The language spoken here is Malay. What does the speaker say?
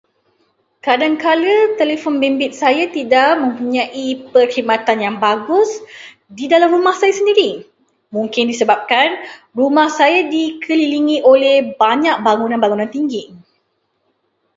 Kadangkala, telefon bimbit saya tidak mempunyai perkhidmatan yang bagus di dalam rumah saya sendiri. Mungkin disebabkan rumah saya dikelilingi oleh banyak bangunan-bangunan tinggi.